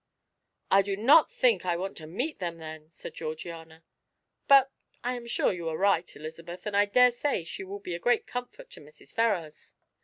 "I do not think I want to meet them, then," said Georgiana. "But I am sure you are right, Elizabeth, and I daresay she will be a great comfort to Mrs. Ferrars."